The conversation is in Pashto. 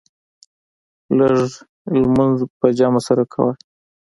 لږ لمونځ په جمع سره کوه.